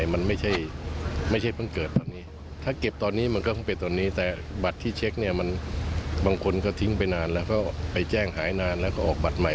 ว่าอย่างนั้นนะคะ